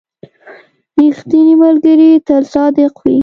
• ریښتینی ملګری تل صادق وي.